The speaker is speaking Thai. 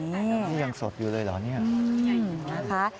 นี่ยังสดอยู่เลยเหรอ